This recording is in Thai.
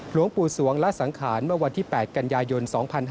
หลวงปู่สวงละสังขารเมื่อวันที่๘กันยายน๒๕๕๙